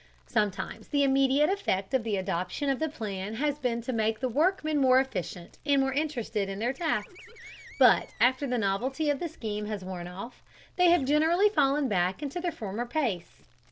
Sometimes the immediate effect of the adoption of the plan has been to make the workmen more efficient and more interested in their tasks, but after the novelty of the scheme has worn off they have generally fallen back into their former pace.